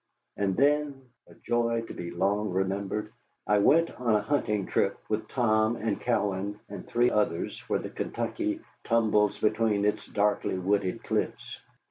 And then a joy to be long remembered I went on a hunting trip with Tom and Cowan and three others where the Kentucky tumbles between its darkly wooded cliffs.